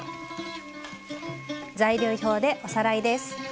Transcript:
材料表でおさらいです。